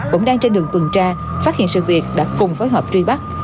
cũng đang trên đường tuần tra phát hiện sự việc đã cùng phối hợp truy bắt